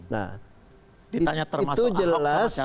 nah itu jelas